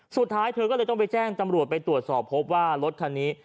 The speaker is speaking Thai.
สุดท้ายเธอก็เลยต้องไปแจ้งตำรวจไปตรวจสอบพบว่ารถคันนี้